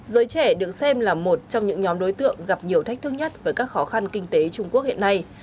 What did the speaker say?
giới trẻ được xem là một trong những nhóm đối tượng gặp nhiều thách thức nhất với các khó khăn kinh tế trung quốc hiện nay